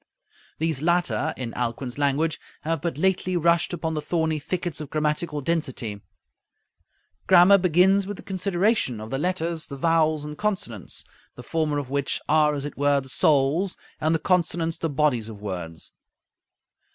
These latter, in Alcuin's language, have "but lately rushed upon the thorny thickets of grammatical density" Grammar begins with the consideration of the letters, the vowels and consonants, the former of which "are, as it were, the souls, and the consonants the bodies of words."